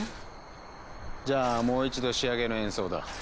じゃあもう一度仕上げの演奏だ。